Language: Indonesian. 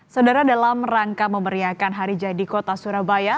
saudara dalam rangka memeriakan hari jadi kota surabaya